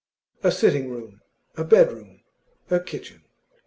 A sitting room, a bedroom, a kitchen.